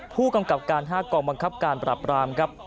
ผู้กำกับการ๕กองบังคับการปรับรามครับ